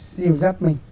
dìu dắt mình